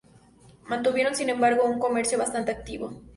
Mantuvieron, sin embargo, un comercio bastante activo.